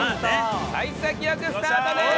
幸先良くスタートです！